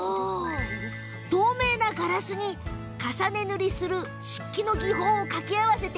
透明なガラスに重ね塗りする漆器の技法を掛け合わせ